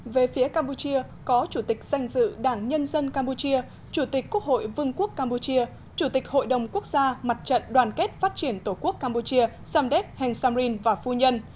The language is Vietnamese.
về phía campuchia có chủ tịch danh dự đảng nhân dân campuchia chủ tịch quốc hội vương quốc campuchia chủ tịch hội đồng quốc gia mặt trận đoàn kết phát triển tổ quốc campuchia samdek heng samrin và phu nhân